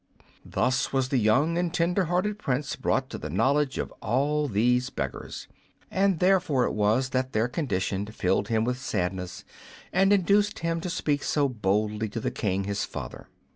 Thus was the young and tender hearted Prince brought to a knowledge of all these beggars, and therefore it was that their condition filled him with sadness and induced him to speak so boldly to the King, his father.